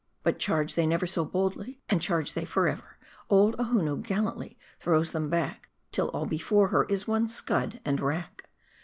But charge they never so boldly, and pharge they forever, old Ohonoo gallantly throws them back till all before her is one scud and rack.